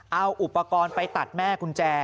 เอาอุปกรณ์ไปตัดแม่กุญแจ